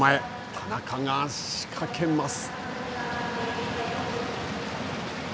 田中が仕掛けます。